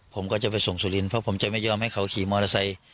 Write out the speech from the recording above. ผมก็จะไปส่งสุรินทร์เพราะผมจะไม่ยอมให้เขาขี่มอเตอร์ไซค์